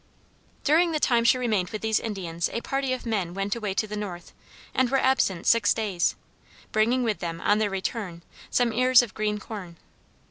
During the time she remained with these Indians a party of men went away to the north, and were absent six days, bringing with them, on their return, some ears of green corn.